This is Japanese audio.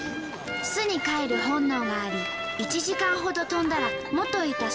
巣に帰る本能があり１時間ほど飛んだらもといた巣箱に戻るそう。